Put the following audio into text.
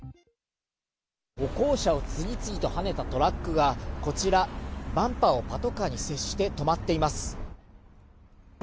歩行者を次々とはねたトラックがこちら、バンパーをパトカーに接して止まっています。